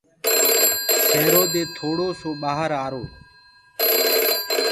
سيرو دي ٿوڙو سو ڀآهر آرو۔